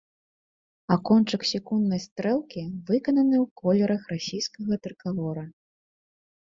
А кончык секунднай стрэлкі выкананы ў колерах расійскага трыкалора.